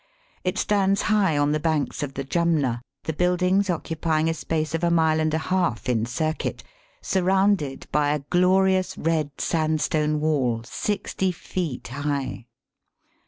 It stands high on the banks of the Jumna, the buildings occupying a space of a mile and a half in circuit, surrounded by a glorious red sandstone wall sixty feet liigh.